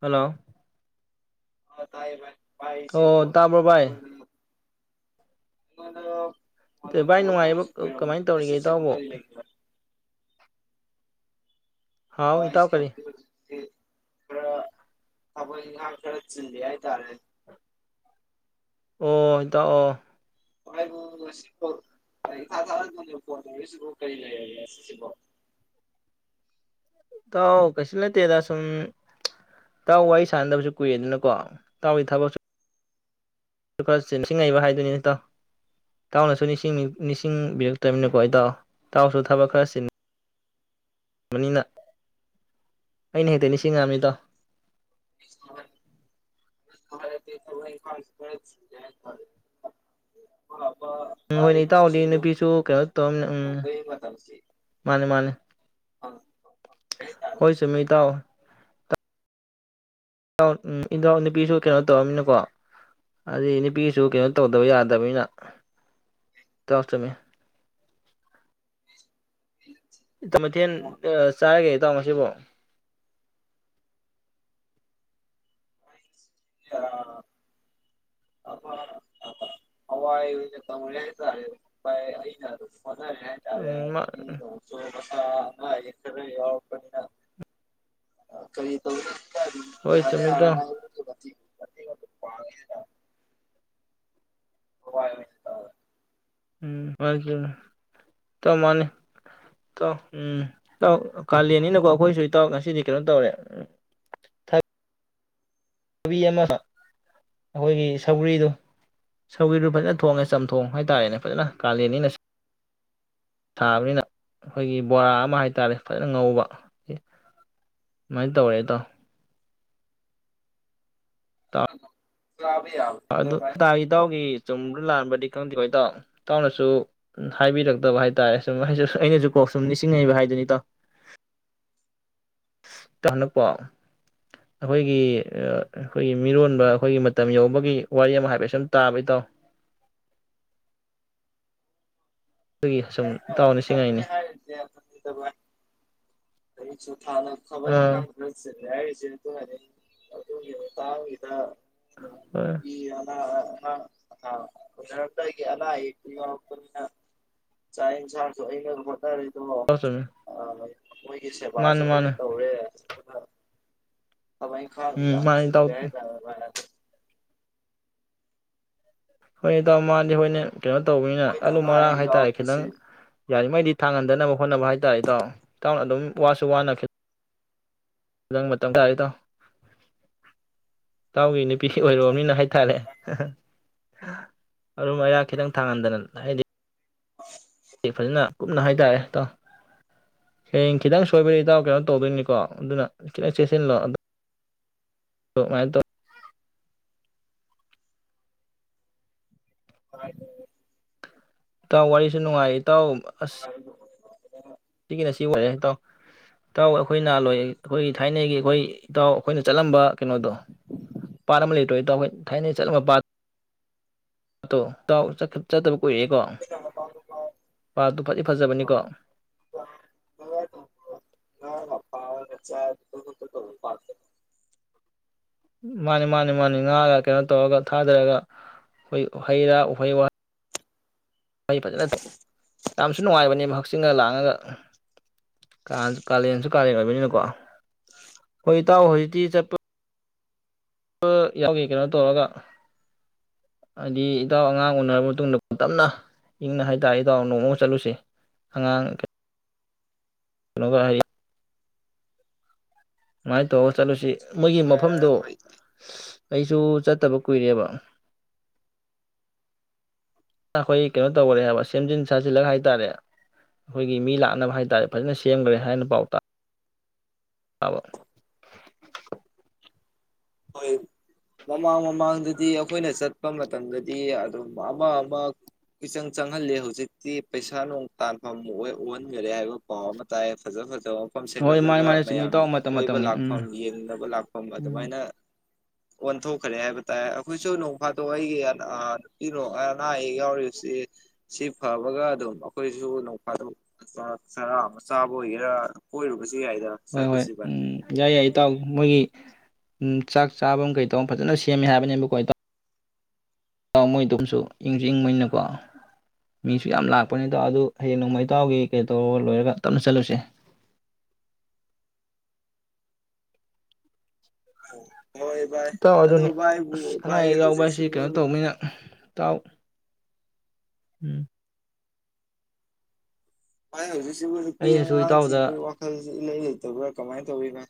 Hello. ꯑ ꯇꯥꯏꯌꯦ ꯚꯥꯏ꯫ ꯑꯣ ꯇꯥꯕ꯭ꯔꯣ ꯚꯥꯏ꯫ [unintelligible] ꯐꫭꯟ ꯅꯨꯡ ꯚꯥꯏ ꯅꯨꯡꯉꯥꯏꯔꯤꯕ ꯇꯧꯔꯛꯇꯕꯁꯨ ꯀꯨꯏꯔꯝꯃꯅꯤ ꯀꯃꯥꯏꯅ ꯇꯧꯔꯤꯒꯦ ꯏꯇꯥꯎꯕꯨ [unintelligible] ꯍꯥꯎ ꯏꯇꯥꯎ ꯀꯔꯤ [inaudible] ꯈꯔ ꯊꯕꯛ ꯏꯪꯈꯥꯡ ꯈꯔ ꯆꯥꯜꯂꯤ ꯍꯥꯏ ꯇꯥꯔꯦ ꯑꯣ ꯏꯇꯥꯎ ꯑꯣ [unintelligible] ꯏꯊꯥ ꯊꯥꯖꯗꯅ ꯀꯣꯜ ꯇꯧꯔꯛꯏ ꯁꯤꯕꯣ ꯀꯔꯤ ꯂꯩꯔꯦ ꯉꯁꯤ ꯁꯤꯕꯣ ꯏꯇꯥꯎ ꯀꯩꯁꯨ ꯅꯇꯦꯗ ꯁꯨꯝ ꯇꯥꯎ ꯋꯥꯔꯤ ꯁꯥꯟꯅꯗꯕꯁꯨ ꯀꯨꯏꯔꯦꯗꯅꯀꯣ ꯇꯥꯎꯒꯤ ꯊꯕꯛꯁꯨ ꯈꯔꯁꯤ [unintelligible] ꯉꯩꯕ ꯍꯥꯏꯗꯨꯅꯤ ꯏꯇꯥꯎ ꯇꯥꯎꯅꯁꯨ ꯅꯤꯡꯁꯤꯡ ꯅꯤꯡꯁꯤꯡꯕꯤꯔꯛꯇꯅꯤꯅꯀꯣ ꯏꯇꯥꯎ ꯇꯥꯎꯁꯨ ꯊꯕꯛ ꯈꯔ ꯆ ꯅꯤꯅ ꯑꯩꯅ ꯍꯦꯛꯇ ꯅꯤꯡꯁꯤꯡ ꯉꯥꯝꯃꯤ ꯏꯇꯥꯎ [inaudible] ꯎꯝ ꯃꯥꯏ ꯍꯣꯏꯅꯦ ꯏꯇꯥꯎꯗꯤ ꯅꯨꯡꯁꯤꯕ ꯅꯨꯄꯤꯁꯨ ꯀꯩꯅꯣ ꯇꯧꯔꯝꯃꯤꯅꯦ ꯎꯝ ꯇꯧꯕꯒꯤ ꯃꯇꯝꯁꯤ ꯃꯥꯅꯦ ꯃꯥꯅꯦ ꯐꯪ ꯐꯪꯗ꯭ꯔꯦ ꯍꯥꯏꯇꯥꯔꯦ ꯍꯣꯏ ꯆꯨꯝꯃꯤ ꯏꯇꯥꯎ ꯏꯇꯥꯎ ꯏꯅꯥꯎ ꯅꯨꯄꯤꯁꯨ ꯀꯩꯅꯣ ꯇꯧꯔꯝꯃꯤꯅꯀꯣ ꯍꯥꯏꯗꯤ ꯅꯨꯄꯤꯁꯨ ꯀꯩꯅꯣ ꯇꯧꯗꯕ ꯌꯥꯗꯕꯅꯤꯅ ꯏꯇꯥꯎ ꯆꯨꯝꯃꯦ ꯃꯊꯟ ꯑ ꯆꯥꯔꯒꯦ ꯇꯥꯎ ꯁꯤꯕꯣ [inaudible] ꯑ ꯑ ꯍꯋꯥꯏ ꯑꯣꯏꯅ ꯇꯧꯔꯦ ꯍꯥꯏ ꯇꯥꯔꯦ ꯎꯝ ꯃꯥ ꯑ ꯈꯔ ꯌꯥꯎꯔꯞꯄꯅꯤꯅ ꯀꯔꯤ ꯇꯧ ꯍꯣꯏ ꯌꯥꯅ ꯆꯨꯝꯃꯤ ꯏꯇꯥꯎ ꯌꯥꯅꯕ [unintelligible] [unintelligible] ꯍꯋꯥꯏ ꯑꯣꯏꯅ ꯇꯧꯔꯦ ꯎꯝ ꯃꯥ ꯏꯇꯥꯎ ꯃꯥꯅꯤ ꯏꯇꯥꯎ ꯎꯝ ꯏꯇꯥꯎ ꯀꯥꯂꯦꯟꯅꯤꯅꯀꯣ ꯑꯩꯈꯣꯏꯁꯨ ꯏꯇꯥꯎ ꯉꯁꯤꯗꯤ ꯀꯩꯅꯣ ꯇꯧꯔꯦ ꯎꯝ ꯊ ꯊꯕꯤ ꯑꯃ ꯑꯩꯈꯣꯏꯒꯤ ꯁꯧꯒꯔꯤꯗꯨ ꯁꯧꯒꯔꯤꯗꯨ ꯐꯖꯅ ꯊꯣꯡꯉꯦ ꯆꯝꯊꯣꯡ ꯍꯥꯏꯇꯥꯔꯦꯅꯦ ꯐꯖꯅ ꯀꯥꯂꯦꯟꯅꯤꯅ ꯁꯥꯕꯅꯤꯅ ꯑꯩꯈꯣꯏꯒꯤ ꯕꯣꯔꯥ ꯑꯃ ꯍꯥꯏꯇꯥꯔꯦ ꯐꯖꯅ ꯉꯧꯕ ꯑꯃꯥꯏꯅ ꯇꯧꯔꯦ ꯏꯇꯥꯎ ꯏꯇꯥꯎ [inaudible] ꯌꯥꯕꯅꯤꯗ ꯑꯗꯨ ꯚꯥꯏ ꯇꯒꯤ ꯏꯇꯥꯎꯒꯤ ꯆꯨꯝꯕ ꯂꯥꯟꯕꯗꯤ ꯈꯪꯗꯦꯀꯇꯥꯎ ꯏꯇꯥꯎꯅꯁꯨ ꯍꯥꯏꯕꯤꯔꯛꯇꯕ ꯍꯥꯏ ꯇꯥꯔꯦ ꯁꯨꯝ ꯑꯩꯅꯁꯨ ꯀꯣ ꯁꯨꯝ ꯅꯤꯡꯁꯤꯡꯉꯕ ꯍꯥꯏꯗꯨꯅꯤꯇꯥꯎ ꯇ ꯍꯟꯅꯛꯄꯣ ꯑꯩꯈꯣꯏꯒꯤ ꯑꯩꯈꯣꯏꯒꯤ ꯃꯤꯔꯣꯟꯕ ꯑꯩꯈꯣꯏꯒꯤ ꯃꯇꯝ ꯌꯧꯕꯒꯤ ꯋꯥꯔꯤ ꯑꯃ ꯍꯥꯏꯐꯦꯠ ꯁꯨꯝ ꯇꯥꯕ ꯏꯇꯥꯎ ꯑꯗꯨꯒꯤ ꯁꯨꯝ ꯑꯩꯅ ꯇꯥꯎ ꯉꯁꯥꯏꯗꯒꯤ ꯅꯤꯁꯤꯡꯉꯥꯏꯅꯦ ꯀꯩ ꯆ ꯐꯅ ꯊꯕꯛ ꯏꯪꯈꯥꯡ ꯈꯔ ꯆꯤꯜꯂꯦ ꯍꯥꯏ [unintelligible] ꯑꯗꯨꯒꯤ ꯃꯇꯥꯡꯒꯤꯗ ꯍꯣꯏ [unintelligible] ꯑ ꯑ ꯎꯅꯔꯝꯗꯥꯏꯒꯤ ꯑꯅꯥ ꯑꯌꯦꯛꯇꯤ ꯌꯥꯎꯔꯛꯄꯅꯤꯅ ꯆꯥꯛ ꯏꯟꯁꯥꯡꯁꯨ ꯑꯩꯅ ꯑꯝ ꯍꯣꯠꯅꯔꯦ ꯑꯣ ꯏꯇꯥꯎ ꯆꯨꯝꯃꯤ ꯑ ꯂ ꯃꯣꯏꯒꯤ ꯃꯥꯅꯦ ꯁꯦꯕꯥꯁꯨ ꯑꯩꯅ ꯃꯥꯅꯦ ꯇꯧꯔꯦ ꯑ ꯊꯕꯛ ꯏꯪꯈꯥꯡꯁꯨ ꯎꯝ ꯌꯥꯝ ꯃꯥꯅꯦ ꯏꯇꯥꯎ ꯆꯤꯜꯂꯦ ꯍꯥꯏ ꯇꯥꯔꯦ ꯕꯥꯏ ꯑꯗ ꯍꯣꯏ ꯏꯇꯥꯎ ꯃꯅꯤ ꯍꯣꯏꯅꯦ ꯀꯩꯅꯣ ꯇꯧꯕꯅꯤꯅ ꯃꯣꯏꯅ ꯑꯂꯨ ꯑꯅꯥ ꯃꯔꯥꯡ ꯑꯌꯦꯛ ꯍꯥꯏꯇꯥꯔꯦ ꯈꯤꯇꯪ ꯌꯥꯎꯔꯛꯄꯁꯤ ꯌꯥꯔꯤꯃꯩꯗꯤ ꯊꯥꯡꯍꯟꯗꯅꯕ ꯍꯣꯠꯅꯕ ꯍꯥꯏꯇꯥꯔꯦ ꯏꯇꯥꯎ ꯏꯇꯥꯎꯅ ꯑꯗꯨꯝ ꯋꯥꯁꯨ ꯋꯥꯅ ꯅꯪ ꯃꯇꯝ ꯊꯥꯔꯦ ꯏꯇꯥꯎ ꯏꯇꯥꯎ ꯅꯨꯄꯤ ꯅꯨꯄꯤ ꯑꯣꯏꯔꯨꯅꯤꯅ ꯍꯥꯏꯇꯥꯔꯦ ꯑꯔꯨꯝ ꯑꯌꯥꯡ ꯈꯤꯇꯪ ꯊꯥꯡꯍꯟꯗꯅ ꯍꯥꯏꯗꯤ ꯐꯖꯅ ꯀꯨꯞꯅ ꯍꯥꯏꯇꯥꯔꯦ ꯏꯇꯥꯎ ꯍꯌꯦꯡ ꯈꯤꯇꯪ ꯁꯣꯏꯕꯩ ꯏꯇꯥꯎ ꯀꯩꯅꯣ ꯇꯧꯗꯣꯏꯅꯤꯀꯣ ꯑꯗꯨꯅ ꯈꯤꯇꯪ ꯆꯦꯁꯤꯜꯂꯣ ꯃꯥꯏꯇꯧ ꯍꯥꯏꯅꯤ ꯏꯇꯥꯎ ꯋꯥꯔꯤꯁꯨ ꯅꯨꯡꯉꯥꯏ ꯏꯇꯥꯎ ꯑꯁ [inaudible] ꯁꯤꯒꯤꯅ ꯁꯤ ꯑꯣꯏꯔꯦ ꯏꯇꯥꯎ ꯏꯇꯥꯎ ꯑꯩꯈꯣꯏꯃꯍꯜꯁꯥꯏ ꯑꯩꯈꯣꯏꯒꯤ ꯊꯥꯏꯅꯒꯤ ꯑꯩꯈꯣꯏ ꯏꯇꯥꯎ ꯑꯩꯈꯣꯏꯅ ꯆꯠꯂꯝꯕ ꯀꯩꯅꯣꯗꯣ ꯄꯥꯠ ꯑꯃ ꯂꯩꯇ꯭ꯔꯣ ꯏꯇꯥꯎ ꯑꯩꯈꯣꯏ ꯊꯥꯏꯅ ꯆꯠꯂꯝꯕ ꯄꯥꯠ ꯇꯣ ꯏꯇꯥꯎ ꯆꯠ ꯆꯠꯇꯕ ꯀꯨ ꯀꯨꯏꯌꯦꯀꯣ ꯄꯥꯠꯇꯨ ꯐꯗꯤ ꯐꯖꯕꯅꯤꯀꯣ [unintelligible] ꯃꯥꯅꯤ ꯃꯥꯅꯤ ꯃꯥꯅꯤ ꯉꯥꯒ ꯀꯩꯅꯣ ꯇꯧꯔꯒ ꯊꯥꯗꯔꯒ ꯑꯩꯈꯣꯏ ꯍꯩ ꯔꯥ ꯎꯍꯩꯋꯥꯍꯩ ꯃꯩ ꯐꯖꯅ ꯌꯥꯝꯁꯨ ꯅꯨꯡꯉꯥꯏꯕꯅꯤ ꯃꯍꯥꯛ ꯍꯛꯁꯤꯡꯅ ꯂꯥꯡꯉꯒ ꯀꯥꯂꯦꯟꯁꯨ ꯀꯥꯂꯦꯟ ꯑꯣꯏꯕꯅꯤꯅꯀꯣ ꯍꯣꯏ ꯏꯇꯥꯎ ꯍꯧꯖꯤꯛꯇꯤ ꯆꯠꯄ ꯌꯥꯎꯒꯦ ꯀꯩꯅꯣ ꯇꯧꯔꯒ ꯍꯥꯏꯗꯤ ꯏꯇꯥꯎ ꯑꯉꯥꯡ ꯎꯅꯔꯕ ꯃꯇꯨꯡꯗ ꯇꯞꯅ ꯏꯪꯅ ꯍꯥꯏꯇꯥꯔꯦ ꯏꯇꯥꯎ ꯅꯣꯡꯃ ꯆꯠꯂꯨꯁꯦ ꯑꯉꯥꯡ ꯀꯩꯅꯣꯒ ꯍꯥꯏ ꯃꯥꯏ ꯇꯧ ꯆꯠꯂꯨꯁꯤ ꯃꯣꯏꯒꯤ ꯃꯐꯝꯗꯣ ꯍꯣꯏ ꯑꯩꯁꯨ ꯆꯠ ꯇꯕ ꯀꯨꯏꯔꯕ ꯑꯩꯈꯣꯏ ꯀꯩꯅꯣ ꯇꯧꯒꯔꯦ ꯍꯥꯏꯕ ꯁꯦꯝꯖꯤꯟ ꯁꯥꯖꯤꯜꯂꯒ ꯍꯥꯏ ꯇꯔꯦ ꯑꯩꯈꯣꯏꯒꯤ ꯃꯤ ꯂꯥꯛꯅꯕ ꯍꯥꯏ ꯇꯥꯔꯦ ꯐꯖꯅ ꯁꯦꯝꯈꯔꯦ ꯍꯥꯏꯅ ꯄꯥꯎ ꯇꯥ ꯑꯕ ꯍꯣꯏ ꯃꯃꯥꯡ ꯃꯃꯥꯡꯗꯗꯤ ꯑꯩꯈꯣꯏꯅ ꯆꯠꯄ ꯃꯇꯝꯗꯗꯤ ꯑꯗꯨꯝ ꯑꯃ ꯑꯃ ꯆꯪ ꯆꯪꯍꯜꯂꯦ ꯍꯧꯖꯤꯛꯇꯤ ꯄꯩꯁꯥ ꯅꯨꯡ ꯇꯥꯟꯐꯝ ꯑꯣꯏ ꯎꯍꯟꯈꯔꯦ ꯍꯥꯏꯕ ꯄꯥꯎ ꯑꯃ ꯇꯥꯏꯌꯦ ꯐꯖ ꯐꯖ ꯑ ꯃꯐꯝ ꯍꯣꯏ ꯃꯥꯅꯦ ꯁꯦꯝꯒꯠꯂꯒ ꯃꯥꯅꯦ ꯆꯨꯝꯃꯤ ꯃꯌꯥꯝ ꯏꯇꯥꯎ ꯃꯇꯝ ꯀꯣꯏꯕ ꯃꯇꯝꯒꯤ ꯂꯥꯛꯐꯝ ꯎꯝ ꯌꯦꯡꯅꯕ ꯂꯥꯛꯐꯝ ꯎꯝ ꯑꯗꯨꯃꯥꯏꯅ ꯑꯣꯟꯊꯣꯛꯈ꯭ꯔꯦ ꯍꯥꯏꯕ ꯇꯥꯏꯦ ꯑꯩꯈꯣꯏꯁꯨ ꯅꯣꯡꯐꯥꯗꯣꯛ ꯑꯩꯒꯤ ꯅꯨꯄꯤ ꯑꯅꯥ ꯑꯌꯦꯛ ꯌꯥꯎꯔꯤꯕꯁꯤ ꯁꯤ ꯐꯕꯒ ꯑꯗꯨꯝ ꯑꯩꯈꯣꯏꯁꯨ ꯅꯣꯡꯐꯥꯗꯣꯛ ꯆꯔꯥ ꯑꯃ ꯆꯥꯕ ꯑꯣꯏꯒꯦꯔꯥ ꯀꯣꯏꯔꯨꯕꯁꯨ ꯌꯥꯏꯗ ꯍꯣꯏ ꯍꯣꯏ ꯆꯠꯂꯨꯁꯤ ꯚꯥꯏ ꯎꯝ ꯌꯥꯏ ꯌꯥꯏ ꯏꯇꯥꯎ ꯃꯣꯏꯒꯤ ꯎ ꯆꯥꯛ ꯆꯥꯐꯝ ꯀꯩ ꯇꯧꯕ ꯐꯖꯅ ꯁꯦꯝꯃꯦ ꯍꯥꯏꯕꯅꯦꯕ ꯀꯥꯏꯅ ꯏꯇꯧ ꯥꯎ ꯃꯣꯏꯗꯨꯝꯁꯨ ꯏꯪꯁꯨ ꯏꯪꯕꯩꯅꯀꯣ ꯃꯤꯁꯨ ꯌꯥꯝ ꯂꯥꯛꯄꯅꯤ ꯇꯥꯎ ꯑꯗꯨ ꯍꯌꯦꯡ ꯅꯣꯡꯃꯩꯇꯥꯎꯒꯤ ꯀꯩ ꯇꯧꯔꯒ ꯂꯣꯏꯔꯒ ꯇꯞꯅ ꯆꯠꯂꯨꯁꯦ ꯍ ꯏꯇꯥꯎ ꯑꯗꯨꯅꯤ ꯑꯁ ꯑꯅꯥ ꯚꯥꯏ ꯑꯌꯦꯛ ꯌꯥꯎꯕ ꯍꯥꯏꯁꯤ ꯍꯧꯖꯤꯛꯁꯤꯕꯨ ꯀꯩꯅꯣ ꯇꯧꯕꯅꯤꯅ ꯏꯇꯥꯎ ꯎꯝ [unintelligible] ꯑꯩ ꯍꯧꯖꯤꯛ ꯍꯧꯖꯤꯛꯄꯨ ꯅꯨꯄꯤ ꯑꯩꯅꯁꯨ ꯑꯉꯥꯡ ꯏꯇꯥꯎꯗ ꯊꯤꯕꯩ ꯋꯥꯈꯜ ꯁꯦ ꯏꯂꯩ ꯂꯩꯇ ꯕ꯭ꯔꯥ ꯀꯃꯥꯏ ꯇꯧꯔꯤꯕꯥ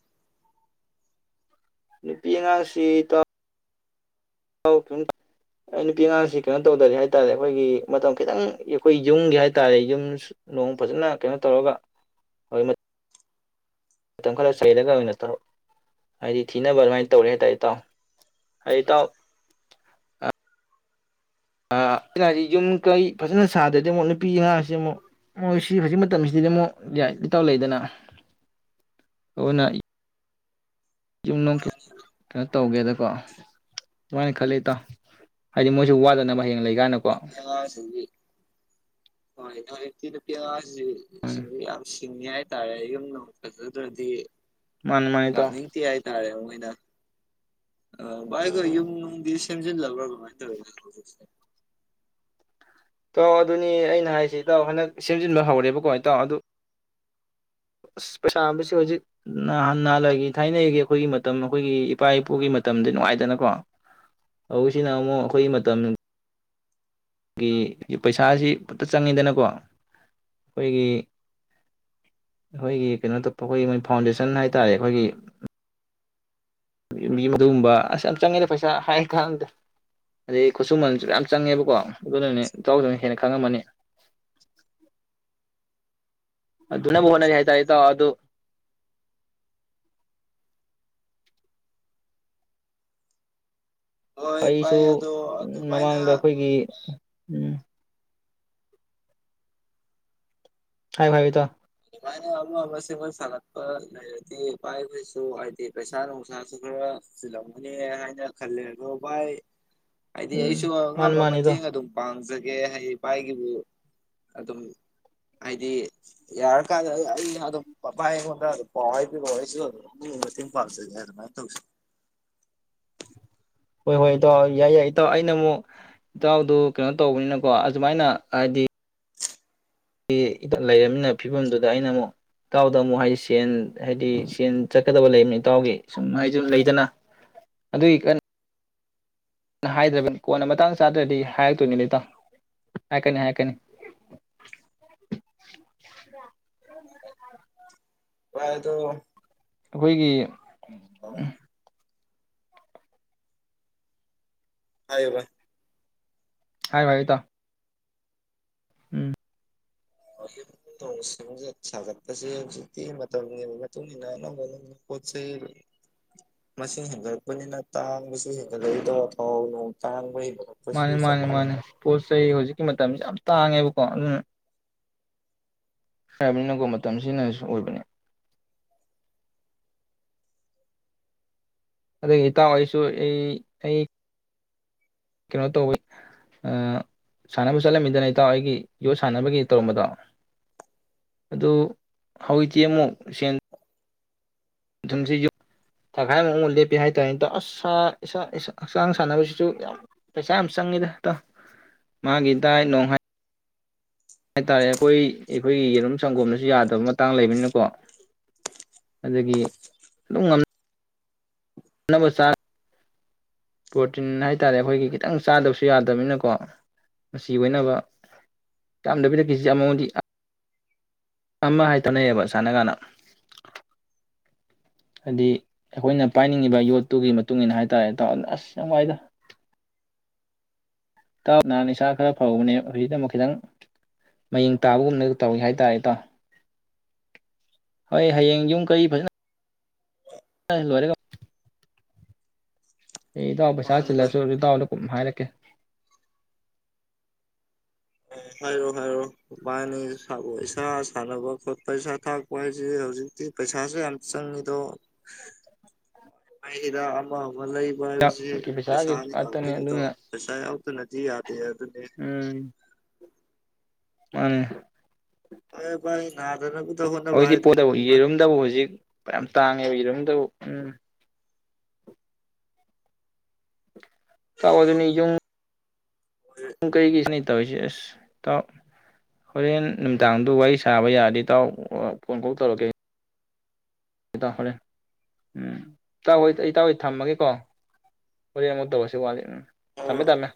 ꯅꯨꯄꯤ ꯑꯉꯥꯡꯁꯤ ꯏꯇꯥ ꯑꯩ ꯅꯨꯄꯤ ꯑꯉꯥꯡꯁꯤ ꯀꯩꯅꯣ ꯇꯧꯗꯔꯤ ꯍꯥꯏ ꯇꯥꯔꯦ ꯑꯩꯈꯣꯏꯒꯤ ꯃꯇꯝ ꯈꯤꯇꯪ ꯑꯩꯈꯣꯏ ꯌꯨꯝꯒꯤ ꯍꯥꯏ ꯇꯥꯔꯦ ꯌꯨꯝ ꯅꯣꯡ ꯐꯖꯅ ꯀꯩꯅꯣ ꯇꯧꯔꯃꯩ ꯃꯇꯝ ꯈꯔ ꯆꯩꯔꯒ ꯑꯣꯏꯅ ꯍꯥꯏꯗꯤ ꯊꯤꯅꯕ ꯑꯗꯨꯃꯥꯏꯅ ꯇꯧꯔꯦ ꯍꯥꯏꯇꯥꯔꯦ ꯏꯇꯥꯎ ꯍꯥꯏꯗꯤ ꯏꯇꯥꯎ ꯌꯨꯝ ꯀꯩ ꯐꯖꯅ ꯁꯥꯗ꯭ꯔꯩꯗꯤ ꯑꯃꯨꯛ ꯅꯨꯄꯤ ꯑ ꯉꯥꯡꯁꯤ ꯑꯃꯨꯛ ꯃꯣꯏ ꯁꯤ ꯍꯧꯖꯤꯛ ꯃꯇꯝꯁꯤꯗꯗꯤ ꯑꯃꯨꯛ ꯂꯤꯇꯥꯎ ꯂꯩꯗꯅ ꯑꯗꯨꯅ ꯌꯨꯝꯅꯨꯡ ꯃꯥꯅꯤ ꯀꯩꯅꯣ ꯇꯧꯒꯦꯗ ꯀꯣ ꯑꯗꯨꯨꯃꯥꯏꯅ ꯈꯜꯂꯤ ꯏꯇꯥꯎ ꯍꯥꯏꯗꯤ ꯃꯣꯏꯁꯨ ꯋꯥꯗꯅꯕ ꯍꯌꯦꯡ ꯂꯩ ꯀꯥꯏꯅꯀꯣ ꯌꯥ ꯁꯤꯕꯤꯦ [unintelligible] ꯍꯣꯏ ꯅꯖꯤꯛꯇꯤ ꯎꯝ ꯅꯨꯨꯄꯤꯌꯥꯁꯤꯁꯤꯡꯗꯤ ꯌꯥꯝ ꯁꯤꯡꯉꯤ ꯍꯥꯏꯇꯥꯔꯦ ꯌꯨꯝꯗ ꯐꯖꯗ꯭ꯔꯗꯤ ꯃꯥꯅꯤ ꯃꯥꯅꯤ ꯏꯇꯥꯎ ꯂꯥꯛꯅꯤꯡꯗꯦ ꯍꯥꯏꯇꯥꯔꯦ ꯃꯣꯏꯅ ꯑꯥ ꯒꯋꯥꯒ ꯎꯝ ꯌꯨꯝꯅꯨꯡ ꯗꯤ ꯁꯦꯝꯖꯤꯜꯂꯕ꯭ꯔꯥ ꯀꯃꯥꯏꯅ ꯇꯧꯋꯤꯅ ꯍꯧꯖꯤꯦ ꯇꯥꯎ ꯑꯗꯨꯅꯤ ꯑꯩꯅ ꯍꯥꯏꯁꯤ ꯏꯇꯥꯎ ꯍꯟꯗꯛ ꯁꯦꯝꯖꯤꯟꯕ ꯍꯧꯔꯦꯕꯀꯣ ꯏꯇꯥꯎ ꯑꯗꯨ ꯄꯩꯁꯥꯕꯁꯤ ꯍꯧꯖꯤꯛ ꯅꯍꯥꯟ ꯅꯍꯥꯟꯋꯥꯏꯒꯤ ꯊꯥꯏꯅꯒꯤ ꯑꯩꯈꯣꯏꯒꯤ ꯃꯇꯝ ꯑꯩꯈꯣꯏꯒꯤ ꯏꯄꯥ ꯏꯄꯨꯒꯤ ꯃꯇꯝꯗꯤ ꯅꯨꯡꯉꯥꯏꯗꯅꯀꯣ ꯍꯧꯁꯤꯅ ꯑꯃꯨꯛ ꯑꯩꯈꯣꯏꯒꯤ ꯃꯇꯝ ꯄꯩꯁꯥꯁꯤ ꯐꯠꯇ ꯆꯪꯉꯤꯗꯅꯀꯣ ꯑꯩꯈꯣꯏꯒꯤ ꯑꯩꯈꯣꯏꯒꯤ ꯀꯩꯅꯣ ꯇ ꯑꯩꯈꯣꯏꯒꯤ ꯃꯣꯏ ꯐꯥꯎꯟꯗꯦꯁꯟ ꯍꯥꯏ ꯇꯥꯔꯦ ꯑꯩꯈꯣꯏꯒꯤ ꯑꯗꯨꯒꯨꯝꯕ ꯑꯁ ꯌꯥꯝ ꯆꯪꯉꯦꯗ ꯄꯩꯁꯥ ꯍꯥꯏ ꯈꯗ ꯑꯗꯩ ꯈꯨꯠꯁꯨꯃꯟꯁꯨ ꯌꯥꯝ ꯆꯪꯉꯦꯕꯀꯣ ꯑꯗꯨꯅꯅꯦ ꯏꯇꯥꯎ ꯍꯦ ꯈꯪꯉꯝꯃꯅꯤ ꯑꯗꯨ ꯑꯗꯨꯅꯕꯨꯣꯅ ꯆ ꯇ ꯑ ꯑꯗꯨ ꯍꯣꯏ ꯑꯩꯁꯨ ꯚꯥꯏ ꯑꯗꯣ ꯃꯃꯥꯡꯗ ꯑꯗꯨꯃꯥꯏꯅ ꯑꯩꯈꯣꯏꯒꯤ ꯎ ꯍꯥꯏꯥꯌꯨ ꯏꯇꯥꯎ ꯁꯨꯃꯥꯏꯅ ꯑꯃ ꯑꯃ ꯁꯦꯝꯒꯣꯏ ꯁꯥꯒꯠꯄ ꯂꯩꯔꯗꯤ ꯚꯥꯏꯈꯣꯏꯁꯨ ꯍꯥꯏꯗꯤ ꯄꯩꯁꯥ ꯅꯨꯡꯁꯥꯁꯨ ꯈꯔ ꯆꯜꯂꯝꯒꯅꯤ ꯍꯥꯏꯅ ꯈꯜꯂꯦ ꯑꯗꯣꯚꯥꯏ ꯍꯥꯏꯗꯤ ꯎꯝ ꯑꯩꯁꯨ ꯃꯥꯅꯤ ꯑꯉꯝꯕ ꯃꯥꯅꯤ ꯏꯇꯥꯎ ꯃꯇꯦꯡ ꯑꯗꯨꯝ ꯄꯥꯡꯖꯩ ꯑ ꯍꯤ ꯄꯥꯏꯒꯤꯕꯨ ꯑꯗꯨꯝ ꯍꯥꯏꯗꯤ ꯌꯥ ꯀ ꯑ ꯑꯗꯨ ꯄꯥꯏ ꯄꯥꯎ ꯍꯥꯏꯕꯤꯔꯛꯑꯣ ꯑꯩ ꯑꯗꯨꯝ ꯃꯇꯦꯟ ꯄꯪꯖꯥ ꯍꯣꯏ ꯍꯣꯏ ꯏꯇꯥꯎ ꯌꯥꯏ ꯌꯥꯏ ꯏꯇꯥꯎ ꯑꯩꯅ ꯑꯃꯨꯛ ꯏꯇꯥꯎꯗꯨ ꯀꯩꯅꯣ ꯇꯧꯕꯅꯤꯅꯀꯣ ꯑꯁꯨꯃꯥꯏꯅ ꯍꯥꯏꯗꯤ ꯂꯩꯔꯕꯝꯃꯤꯅ ꯐꯤꯕꯝꯗꯨꯗ ꯑꯩꯅ ꯑꯃꯨꯛ ꯏꯇꯥꯎꯗ ꯑꯃꯨꯛ ꯍꯥꯏꯗꯤ ꯁꯦꯟ ꯍꯥꯏꯗꯤ ꯁꯦꯟ ꯆꯠꯀꯗꯕ ꯂꯩꯕꯅꯤ ꯏꯇꯥꯎꯒꯤ ꯁꯨꯝ ꯍꯥꯏꯗꯤ ꯂꯩꯗꯅ ꯑꯗꯨꯒꯤ ꯍꯥꯏꯗ꯭ꯔꯕꯅꯤ ꯀꯣꯟꯅ ꯃꯇꯥꯡ ꯆꯥꯗ꯭ꯔꯗꯤ ꯍꯥꯏꯔꯛꯇꯣꯏꯅꯤ ꯂꯩꯦꯇ ꯍꯥꯏꯀꯅꯤ ꯍꯥꯏꯔꯛꯀꯅꯤ ꯄꯥꯏꯗꯣ ꯑꯩꯈꯣꯏꯒꯤ ꯎꯝ ꯍꯥꯏꯔꯤꯕ ꯍꯥꯏꯌꯨ ꯍꯥꯏꯌꯨ ꯏꯇꯥꯎ ꯎꯝ ꯍꯧ ꯁꯤꯡꯁꯠ ꯁꯥꯒꯠꯄꯁꯦ ꯍꯧꯖꯤꯛꯇꯤ ꯃꯇꯝꯒꯤꯒꯤ ꯃꯇꯨꯡ ꯃꯇꯨꯡꯏꯟꯅ ꯑꯅꯧ ꯑꯅꯅ ꯄꯣꯠ ꯆꯩꯩ ꯃꯁꯤꯡ ꯍꯦꯟꯒꯠꯂꯛꯄꯅꯤꯅ ꯇꯥꯡꯕꯁꯨ ꯍꯦꯟꯒꯠꯂꯛꯏꯗꯣ ꯊꯥꯎ ꯅꯣꯡ ꯇꯥꯡꯕ ꯍꯦꯟꯒꯠꯂꯛꯄꯁꯤ ꯃꯥꯅꯤ ꯆꯞ ꯃꯥꯅꯦ ꯃꯥꯅꯦ ꯃꯥꯟꯅꯩꯗ ꯄꯣꯠ ꯆꯩ ꯍꯧꯖꯤꯛꯀꯤ ꯃꯇꯝ ꯌꯥꯝ ꯇꯥꯉꯦꯕꯀꯣ ꯎꯝ ꯍꯥꯏꯔꯕꯅꯤꯅꯀꯣ ꯃꯇꯝꯁꯤꯅꯁꯨ ꯑꯣꯏꯕꯅꯤ ꯑꯗꯒꯤ ꯏꯇꯥꯎ ꯑꯩꯁꯨ ꯑꯩ ꯑꯩ ꯀꯩꯅꯣ ꯇꯧꯋꯤ ꯁꯥꯟꯅꯕ ꯆꯠꯂꯝꯃꯤꯗꯅ ꯏꯇꯥꯎ ꯑꯩꯒꯤ ꯌꯣꯠ ꯁꯥꯟꯅꯕꯒꯤ ꯇꯧꯔꯝꯕꯗꯣ ꯑꯗꯨ ꯍꯧꯖꯤꯛꯇꯤ ꯑꯃꯨꯛ ꯁꯦꯟ ꯃꯊꯨꯝꯁꯤ ꯌ ꯊꯥꯈꯥꯏ ꯃꯑꯣ ꯂꯦꯞꯄꯤ ꯍꯥꯏꯇꯥꯔꯦꯇ ꯑꯁꯥ ꯏꯁꯥ ꯍꯛꯆꯥꯡ ꯁꯥꯟꯅꯕꯁꯤꯁꯨ ꯌꯥꯝ ꯄꯩꯁꯥ ꯌꯥꯝ ꯆꯪꯉꯤꯗꯇꯣ ꯃꯥꯒꯤ ꯗꯥꯏꯠ ꯅꯨꯡ ꯍꯥꯏꯥꯏ ꯍꯥꯏꯇꯥꯔꯦ ꯑꯩꯈꯣꯏ ꯑꯩꯈꯣꯏꯒꯤ ꯌꯦꯔꯨꯝ ꯁꯪꯒꯣꯝꯗꯁꯨ ꯌꯥꯗꯕ ꯃꯇꯥꯡ ꯂꯩꯕꯅꯤꯅꯀꯣ ꯑꯗꯒꯤ ꯑꯗꯨꯝ ꯅꯕꯁꯥꯡ ꯄ꯭ꯔꯣꯇꯤꯟ ꯍꯥꯏ ꯇꯥꯔꯦ ꯑꯩꯈꯣꯏꯒꯤ ꯈꯤꯇꯪ ꯆꯥꯗꯕꯁꯨ ꯌꯥꯗꯕꯅꯤꯅꯀꯣ ꯃꯁꯤ ꯑꯣꯏꯅꯕ ꯌꯥꯝꯗꯕꯤꯗ ꯀꯦꯖꯤ ꯑꯃꯃꯗꯤ ꯑꯃ ꯍꯥꯏ ꯇꯧꯅꯩꯌꯦꯕ ꯁꯥꯟꯅ ꯀꯥꯟꯗ ꯍꯥꯏꯗꯤ ꯑꯩꯈꯣꯏꯅ ꯄꯥꯏꯅꯤꯡꯉꯤꯕ ꯌꯣꯠꯇꯨꯒꯤ ꯃꯇꯨꯡ ꯏꯟꯅ ꯍꯥꯏꯇꯥꯥꯔꯦ ꯇꯥꯅ ꯑꯁ ꯌꯥꯝꯋꯥꯏꯗ ꯥꯇꯥꯎ ꯅꯍꯟ ꯏꯁꯥ ꯈꯔ ꯐꯧꯕꯅꯦ ꯍꯧꯖꯤꯛꯇ ꯑꯃꯨꯛ ꯈꯤꯇꯪ ꯃꯌꯦꯡ ꯇꯥꯕꯒꯨꯝꯅ ꯇꯧꯏꯤ ꯍꯥꯏꯇꯥꯔꯦ ꯇꯣ ꯍꯣꯏ ꯍꯌꯦꯡ ꯌꯨꯝ ꯀꯔꯤ ꯐꯖꯅ ꯑꯩꯩ ꯂꯣꯏꯔꯒ ꯑꯦ ꯏꯇꯥꯎ ꯄꯩꯁꯥ ꯃꯥꯅꯦ ꯚꯥꯏ ꯆꯤꯜꯂꯁꯨ ꯏꯇꯥꯎꯗ ꯀꯨꯝ ꯍꯥꯏꯔꯛ [unintelligible] ꯑꯦ ꯍꯥꯏꯔꯣ ꯍꯥꯏꯔꯣ [unintelligible] ꯏꯁꯥ ꯁꯥꯟꯅꯕ ꯈꯣꯠꯄ ꯏꯁꯥ ꯊꯥꯛꯄ ꯍꯥꯏꯁꯦ ꯍꯧꯖꯤꯛꯇꯤ ꯄꯩꯁꯥꯁꯨ ꯌꯥꯝ ꯆꯪꯉꯤꯗꯣ꯫ ꯑꯩ ꯍꯤꯗꯥꯛ ꯑꯃ ꯑꯃ ꯂꯩꯕ ꯍꯥꯏꯕꯁꯤ ꯏꯇꯥꯎꯒꯤ ꯄꯩꯁꯥꯒꯤ ꯉꯥꯛꯇꯅꯤ ꯉꯛꯇꯅꯤꯗꯣ ꯑꯗꯨꯅ ꯄꯩꯁꯥ ꯌꯥꯎ ꯑꯗꯨꯅꯗꯤ ꯌ ꯌꯥ ꯑꯗꯨꯅꯤ ꯃꯟꯅꯤ ꯐꯔꯦ ꯕꯥꯏ ꯅꯥꯗꯅꯕꯨ ꯍꯧꯖꯤꯛꯇꯤ ꯄꯣꯠꯇꯕꯨ ꯌꯦꯔꯨꯝꯗꯕꯨ ꯍꯧꯖꯤꯛ ꯃꯌꯥꯝ ꯇꯥꯡꯉꯦ ꯌꯦꯔꯨꯝꯗꯕꯨ ꯎꯝ ꯏꯇꯧ ꯑꯗꯨꯅꯤ ꯌꯨꯝ ꯨꯎꯝ ꯀꯩ ꯖꯤꯅꯤꯠ ꯇꯧꯔꯤꯁꯦ ꯑꯁ ꯏꯇꯥꯎ ꯍꯣꯔꯦꯟ ꯅꯨꯃꯤꯗꯥꯡꯗꯨ ꯋꯥꯔꯤ ꯁꯥꯕ ꯌꯥꯔꯗꯤ ꯏꯇꯥꯎ ꯐꯣꯟ ꯀꯣꯛ ꯇꯧꯔꯛꯀꯦ꯫ ꯏꯇꯥꯎ ꯍꯣꯔꯦꯟ ꯎꯝ ꯏꯇꯥꯎ ꯑꯩ ꯑꯩ ꯏꯇꯥꯎ ꯊꯝꯃꯒꯦꯀꯣ ꯍꯣꯔꯦꯟ ꯑꯃꯨꯛ ꯇꯧꯔꯁꯤ ꯋꯥꯠꯂꯦ ꯎꯝ ꯊꯝꯃꯦ ꯊꯝꯃꯦ꯫